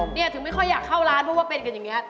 เนี่ยถึงไม่ค่อยอยากเข้าร้านเพราะว่าเป็นกันอย่างนี้